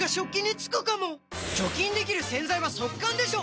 除菌できる洗剤は速乾でしょ！